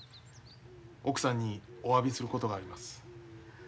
奥さんにおわびすることがあります。